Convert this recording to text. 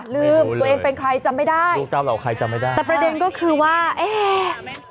ลืมตัวเองเป็นใครจำไม่ได้แต่ประเด็นก็คือว่าเอ๊ะ